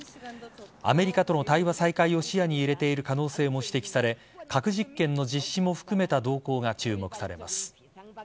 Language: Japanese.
アメリカとの対話再開を視野に入れている可能性も指摘され核実験の実施も含めた動向が注目されます。